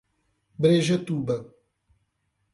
Brejetuba